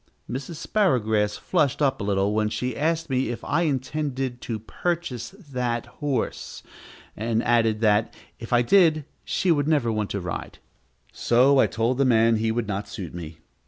Mrs. Sparrowgrass flushed up a little when she asked me if I intended to purchase that horse, and added, that, if I did, she would never want to ride. So I told the man he would not suit me.